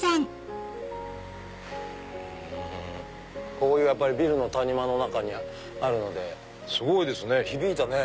こういうビルの谷間の中にあるのですごいですね響いたね。